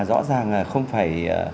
rõ ràng là không phải